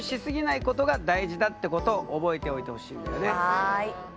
はい。